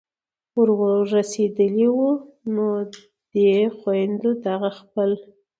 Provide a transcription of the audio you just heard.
ور رسېدلي وو نو دې خویندو دغه خپل